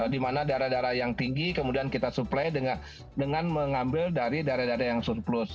di mana darah darah yang tinggi kemudian kita supply dengan mengambil dari darah darah yang surplus